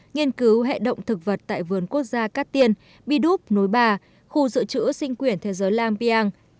nghiên cứu hệ động thực vật tại vườn quốc gia cát tiên bi đúp nối bà khu dự trữ sinh quyển thế giới lampiang